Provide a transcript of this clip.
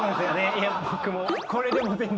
いや僕も。